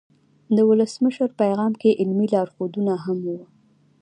د ولسمشر پیغام کې علمي لارښودونه هم وو.